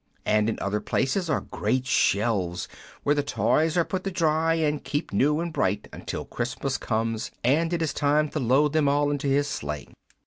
And in other places are great shelves, where the toys are put to dry and keep new and bright until Christmas comes and it is time to load them all into his sleigh.